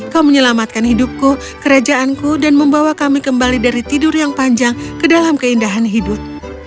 kau menyelamatkan hidupku kerajaanku dan membawa kami kembali dari tidur yang panjang ke dalam keindahan hidup